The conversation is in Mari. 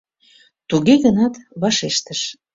Туге гынат вашештыш: